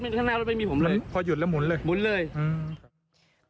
ข้างหน้ารถไม่มีผมเลยพอหยุดแล้วหมุนเลยหมุนเลยอืม